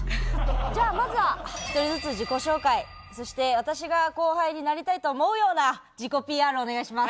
じゃあまずは１人ずつ自己紹介そして私が後輩になりたいと思うような自己ＰＲをお願いします。